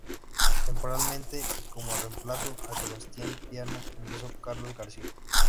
Temporalmente, y como reemplazo a Sebastián Piana, ingresó Carlos García.